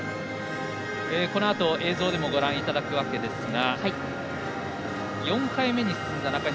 このあと映像でもご覧いただくわけですが４回目に進んだ中西。